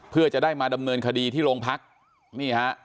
เพื่อจะได้มาดำเนินคดีที่โรงพักนี่ฮะ